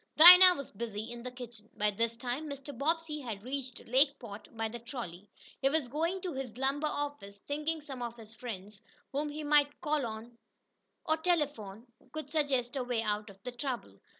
Dinah was busy in the kitchen. By this time Mr. Bobbsey had reached Lakeport by the trolley. He was going to his lumber office, thinking some of his friends, whom he might call on the telephone could suggest a way out of the trouble.